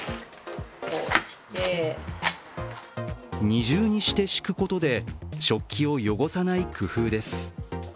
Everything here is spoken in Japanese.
二重にして敷くことで食器を汚さない工夫です。